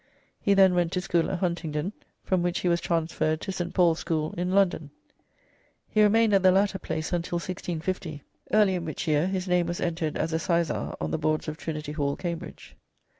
He then went to school at Huntingdon, from which he was transferred to St. Paul's School in London. He remained at the latter place until 1650, early in which year his name was entered as a sizar on the boards of Trinity Hall, Cambridge.